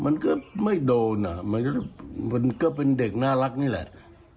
มันก็ไม่โดนอ่ะมันก็เป็นเด็กน่ารักนี่แหละ